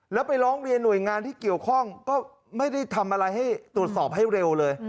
แล้วไปร้องเรียนหน่วยงานที่เกี่ยวข้องก็ไม่ได้ทำอะไรให้ตรวจสอบให้เร็วเลย